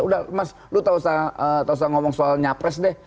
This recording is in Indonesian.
udah mas lu tak usah ngomong soal nyapres deh